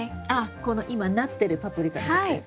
この今なってるパプリカのことですか？